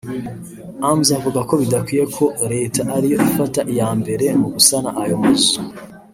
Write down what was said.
Hamza avuga ko bidakwiye ko leta ariyo ifata iya mbere mu gusana ayo mazu